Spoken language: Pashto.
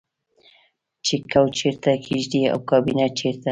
چې کوچ چیرته کیږدئ او کابینه چیرته